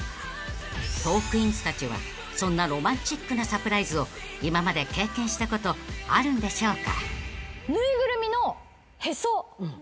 ［トークィーンズたちはそんなロマンチックなサプライズを今まで経験したことあるんでしょうか？］